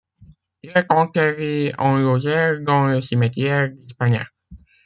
Il est enterré en Lozère dans le cimetière d'Ispagnac.